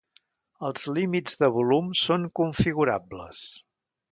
Els límits de volum són configurables.